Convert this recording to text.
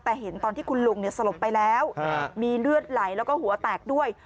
แต่เห็นตอนที่คุณลุงสลบไปแล้วมีเลือดไหลแล้วก็หัวแตกด้วย